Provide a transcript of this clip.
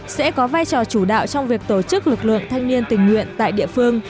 sẽ có vai trò chủ đạo trong việc tổ chức lực lượng thanh niên tình nguyện tại địa phương